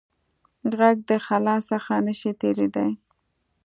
غږ د خلا څخه نه شي تېرېدای.